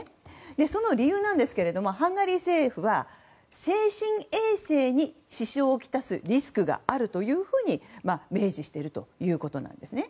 その理由ですがハンガリー政府は精神衛生に支障をきたすリスクがあるというふうに明示しているということなんです。